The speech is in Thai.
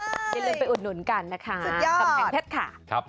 อย่าลืมไปอุดหนุนกันนะคะกำแพงเพชรค่ะ